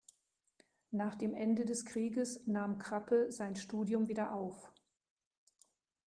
Nach dem Ende des Krieges nahm Krappe sein Studium wieder auf.